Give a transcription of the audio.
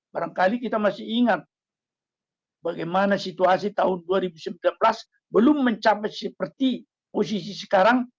barangkali kita masih ingat bagaimana situasi tahun dua ribu sembilan belas belum mencapai seperti posisi sekarang